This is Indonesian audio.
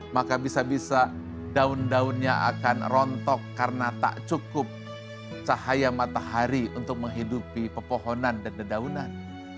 maka bisa bisa daun daunnya akan rontok karena tak cukup cahaya matahari untuk menghidupi pepohonan dan dedaunan